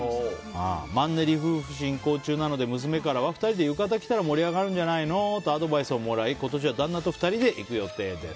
マンネリ夫婦進行中なので娘からは２人で浴衣着たら盛り上がるんじゃないの？とアドバイスをもらい今年は旦那と２人で行く予定です。